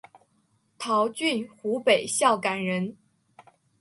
陶峻湖北孝感人。